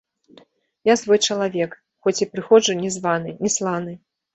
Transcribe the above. Я свой чалавек, хоць і прыходжу не званы, не сланы.